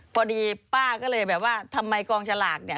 พอดีป้าก็เลยแบบว่าทำไมกองฉลากเนี่ย